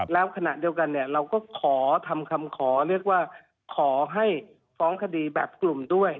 แล้วขณะเดียวกันเนี่ยเราก็ขอทำคำขอเรียกว่าขอให้ฟ้องคดีแบบกลุ่มด้วย